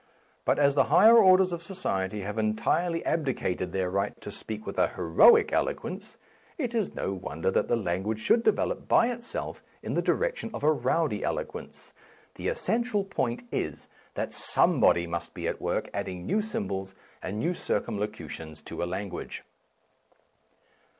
But as the higher orders of so ciety have entirely abdicated their right to speak with a heroic eloquence, it is no wonder that the language should develop by itself in the direction of a rowdy elo quence. The essential point is that some A Defence of Slang body must be at work adding new symbols and new circumlocutions to a language.